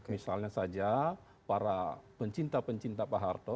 misalnya saja para pencinta pencinta pak harto